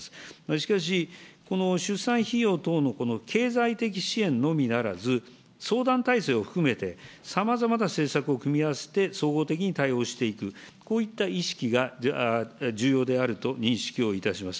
しかし、この出産費用等のこの経済的支援のみならず、相談体制を含めて、さまざまな政策を組み合わせて、総合的に対応していく、こういった意識が重要であると認識をいたします。